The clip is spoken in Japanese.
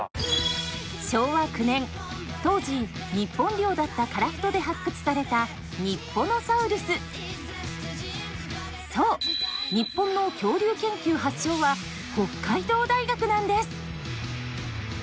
昭和９年当時日本領だった樺太で発掘されたそう日本の恐竜研究発祥は北海道大学なんです！